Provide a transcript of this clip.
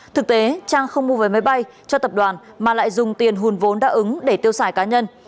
thực tế trang không mua về máy bay cho tập đoàn mà lại dùng tiền hùn vốn đã ứng để tiêu xài cá nhân